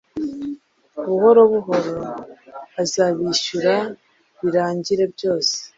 Buhoro buhoro azabishyura birangire byose.